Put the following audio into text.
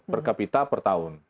per kapita per tahun